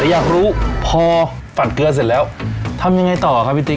แต่อยากรู้พอฝัดเกลือเสร็จแล้วทำยังไงต่อครับพี่ติ๊ก